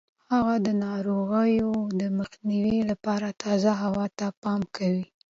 هغه د ناروغیو د مخنیوي لپاره تازه هوا ته پام کوي.